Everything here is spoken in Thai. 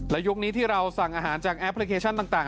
และยุคนี้ที่เราสั่งอาหารจากแอปพลิเคชันต่าง